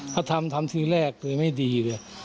ก็ทำทำที่แรกก็ไม่ดีเลย